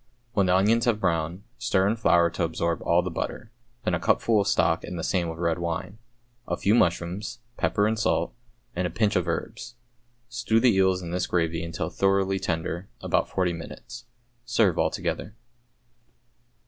When the onions have browned, stir in flour to absorb all the butter, then a cupful of stock and the same of red wine, a few mushrooms, pepper and salt, and a pinch of herbs. Stew the eels in this gravy until thoroughly tender, about forty minutes. Serve altogether.